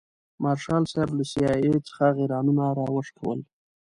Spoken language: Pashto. مارشال صاحب له سي آی اې څخه غیرانونه راوشکول.